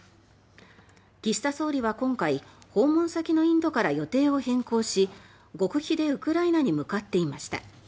岸田総理は今回訪問先のインドから予定を変更し極秘でウクライナに向かっていました。